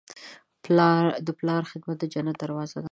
د پلار خدمت د جنت دروازه ده.